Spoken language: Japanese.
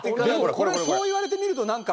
これそう言われてみるとなんか。